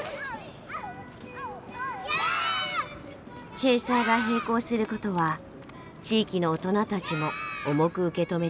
チェーサーが閉校することは地域の大人たちも重く受け止めています。